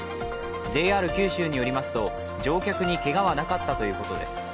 ＪＲ九州によりますと乗客にけがはなかったということです。